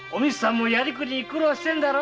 やりくりに苦労してるんだろ？